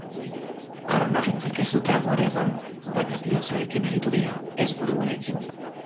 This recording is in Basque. Armaginek ez dute amore eman, baina bihotzarekin aritu dira, ez buruarekin.